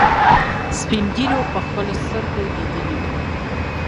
سپينږيرو په خپلو سترګو ليدلي وو.